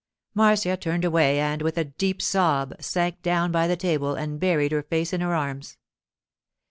Marcia turned away and, with a deep sob, sank down by the table and buried her face in her arms.